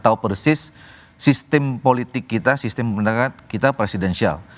tahu persis sistem politik kita sistem pemerintahan kita presidensial